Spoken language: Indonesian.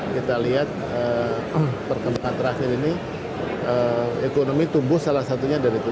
kita lihat perkembangan terakhir ini ekonomi tumbuh salah satunya dari tujuh